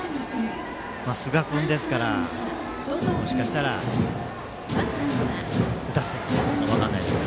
寿賀君ですから、もしかしたら打たせてくるかも分からないです。